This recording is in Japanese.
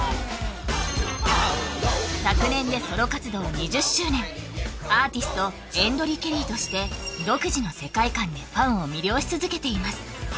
昨年でソロ活動２０周年アーティスト．ＥＮＤＲＥＣＨＥＲＩ．として独自の世界観でファンを魅了し続けています